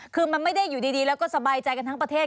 คือมันไม่ได้อยู่ดีแล้วก็สบายใจกันทั้งประเทศ